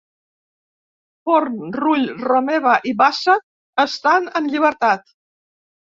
Forn, Rull, Romeva i Bassa estan en llibertat